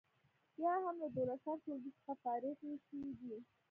یا هم له دولسم ټولګي څخه فارغې شوي دي.